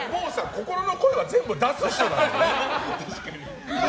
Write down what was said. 心の声は全部出す人なのね。